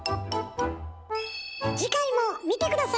次回も見て下さいね！